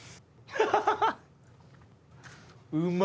ハハハ。